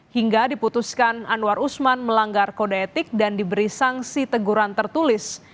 hingga diputuskan anwar usman melanggar kode etik dan diberi sanksi teguran tertulis